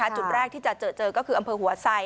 จุดแรกที่จะเจอก็คืออำเภอหัวไซ